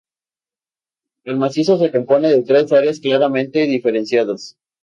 El macizo se compone de tres áreas claramente diferenciadas.